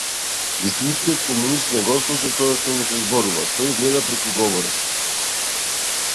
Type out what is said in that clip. Вистинскиот комунист не го слуша тоа што му се зборува, тој гледа преку говорот.